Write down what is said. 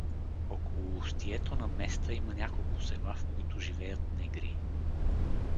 Около устието на Места има няколко села, в които живеят негри.